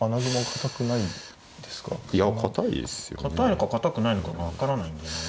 堅いのか堅くないのかが分からないんでね。